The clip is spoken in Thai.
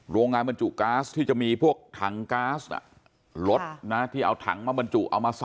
รว้างบรรจุกาซที่จะมีพวกถังกาซนะลดนะที่เอาถังมันบรรจุ